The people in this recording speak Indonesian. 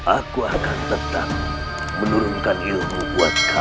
aku akan tetap menurunkan ilmu buat kalian